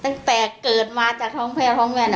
ตั้งแต่เกิดมาจากท้องพ่อท้องแม่นะ